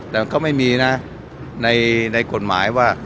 แต่ก็ไม่มีนะในกฎหมายว่า